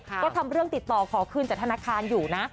ก็ทำเรื่องติดต่อขอคืนจากธนาคารอยู่นะ